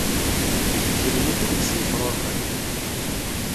D lmut i deg-s yefrurxen.